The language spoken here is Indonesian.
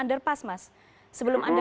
anak anaknya masih ada